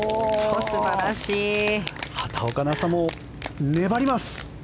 畑岡奈紗も粘ります。